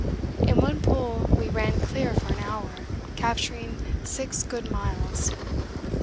In one pool we ran clear for an hour, capturing 6 good miles.